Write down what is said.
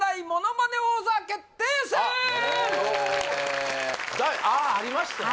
へえ第ああありましたね